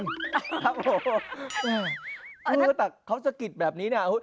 แต่ว่าเขาสกิดแบบนี้นะ